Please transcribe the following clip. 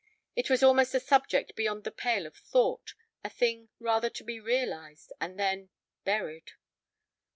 It was almost a subject beyond the pale of thought; a thing rather to be realized and then—buried.